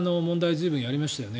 随分やりましたよね。